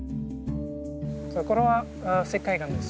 これは石灰岩です。